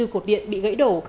ba mươi bốn cột điện bị gãy đổ